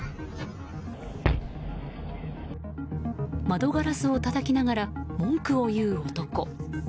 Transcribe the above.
窓ガラスをたたきながら文句を言う男。